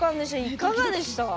いかがでした？